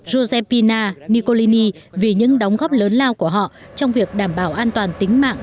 giuseppina nicolini vì những đóng góp lớn lao của họ trong việc đảm bảo an toàn tính mạng